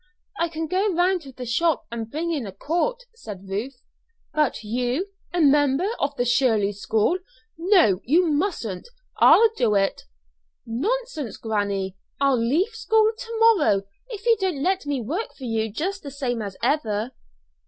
"I can go round to the shop and bring in a quart," said Ruth. "But you a member of the Shirley School! No, you mustn't. I'll do it." "Nonsense, granny! I'll leave school to morrow if you don't let me work for you just the same as ever."